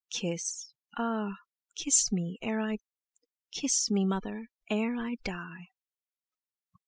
Kiss, ah! kiss me e ere I— Kiss me, Mother, ere I d d die!"